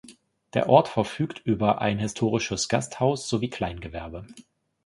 Der Ort verfügt über ein historisches Gasthaus sowie Kleingewerbe.